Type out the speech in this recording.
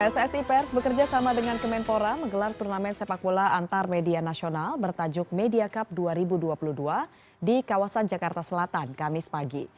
pssi pers bekerja sama dengan kemenpora menggelar turnamen sepak bola antar media nasional bertajuk media cup dua ribu dua puluh dua di kawasan jakarta selatan kamis pagi